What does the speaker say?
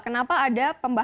kenapa ada pembeli